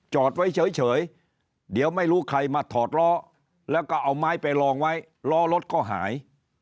จอดไว้เฉยเดี๋ยวไม่รู้ใครมาถอดล้อแล้วก็เอาไม้ไปลองไว้ล้อรถก็หาย